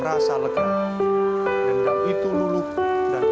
terima kasih selalu bersama ibu naya dan terima kasih masih bers oceans kerasa